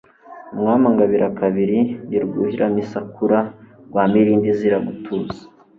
umwami angabira kabiri ndi Rwuhiramisakura rwa Mirindi izira gutuza